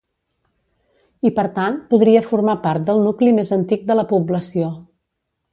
I per tant podria formar part del nucli més antic de la població.